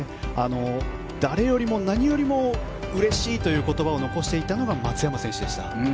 誰よりも何よりもうれしいという言葉を残していたのが松山選手でした。